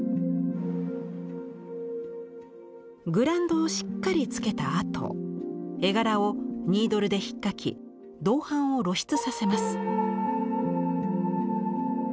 グランドをしっかりつけたあと絵柄をニードルでひっかき銅版を露出させます。